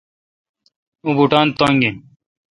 اوں بوٹان تنگ این۔